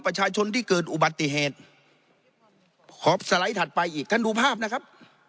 ประชาชนที่เกิดอุบัติเหตุขอสไลด์ถัดไปอีกท่านดูภาพนะครับ